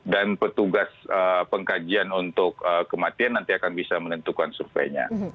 dan petugas pengkajian untuk kematian nanti akan bisa menentukan surveinya